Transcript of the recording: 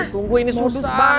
tunggu ini susah